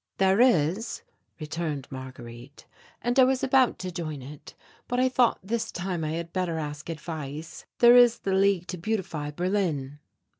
"There is," returned Marguerite, "and I was about to join it, but I thought this time I had better ask advice. There is the League to Beautify Berlin."